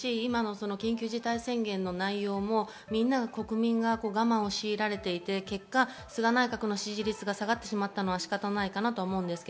緊急事態宣言の内容もみんなが国民が我慢を強いられていって結果、菅内閣の支持率が下がってしまったのは仕方ないと思います。